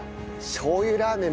しょう油ラーメン